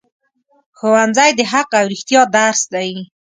ښوونځی د حق او رښتیا درس دی